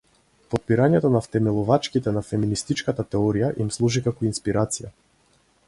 Потпирањето на втемелувачките на феминистичката теорија им служи како инспирација.